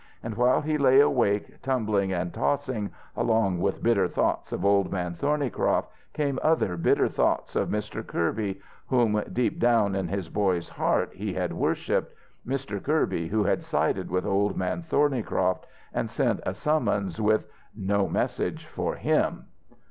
And while he lay awake, tumbling and tossing, along with bitter thoughts of Old Man Thornycroft came other bitter thoughts of Mr. Kirby, whom, deep down in his boy's heart he had worshipped Mr. Kirby, who had sided with Old Man Thornycroft and sent a summons with no message for him.